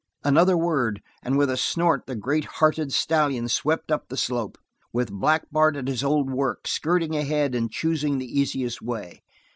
Another word, and with a snort the great hearted stallion swept up the slope, with Black Bart at his old work, skirting ahead and choosing the easiest way.